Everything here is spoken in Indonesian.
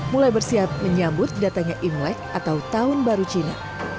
mulai bersiap menyambut datangnya imlek atau tahun baru cina